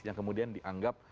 yang kemudian dianggap